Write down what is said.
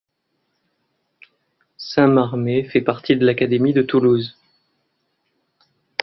Saint-Mamet fait partie de l'académie de Toulouse.